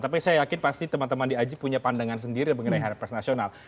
tapi saya yakin pasti teman teman di aji punya pandangan sendiri mengenai hari press nasional